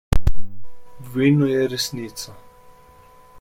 V vinu je resnica.